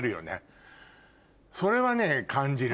それはね感じる。